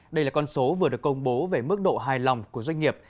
đây là con số vừa được công bố về mức độ hài lòng của doanh nghiệp